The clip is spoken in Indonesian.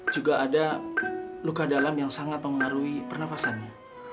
juga ada luka dalam yang sangat mempengaruhi pernafasannya